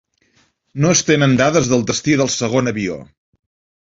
No es tenen dades del destí del segon avió.